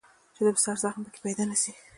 چې د بستر زخم پکښې پيدا نه سي.